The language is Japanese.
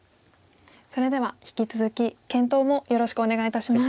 それでは引き続き検討もよろしくお願いいたします。